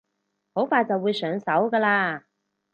好快就會上手㗎喇